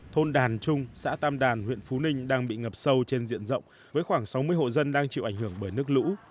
thôn đàn trung xã tam đàn huyện phú ninh đang bị ngập sâu trên diện rộng với khoảng sáu mươi hộ dân đang chịu ảnh hưởng bởi nước lũ